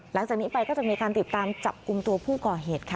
หลังจากนี้ไปก็จะมีการติดตามจับกลุ่มตัวผู้ก่อเหตุค่ะ